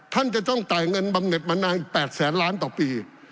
ท่านจะต้องจ่ายเงินบำเน็ตมานาน๘แสนล้านต่อปี